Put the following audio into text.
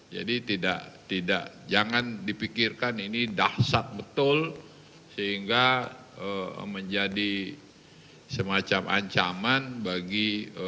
jadi tidak jangan dipikirkan ini dahsat betul sehingga menjadi semacam ancaman bagi